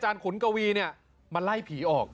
พระม่ายอขุนกวีเนี่ยมาไล่ผีออก